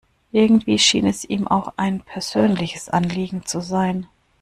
Irgendwie schien es ihm auch ein persönliches Anliegen zu sein.